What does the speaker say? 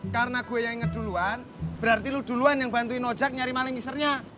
karena gue yang inget duluan berarti lu duluan yang bantuin ojek nyari maling misernya